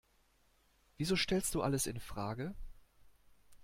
Wieso stellst du alles infrage?